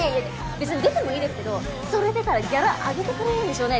別に出てもいいですけどそれ出たらギャラ上げてくれるんでしょうね？